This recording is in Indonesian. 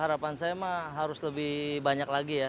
harapan saya mah harus lebih banyak lagi ya